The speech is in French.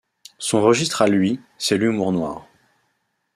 Son registre à lui, c'est l'humour noir.